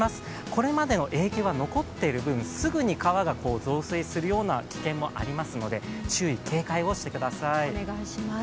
これまでの影響が残っている分、すぐに川が増水するような危険もありますので注意・警戒をしてください。